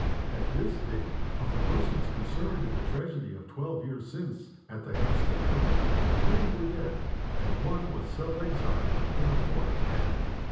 At this date, of the persons concerned in the tragedy of twelve years since at the Hampstead villa, three were dead; and one was self exiled in a foreign land.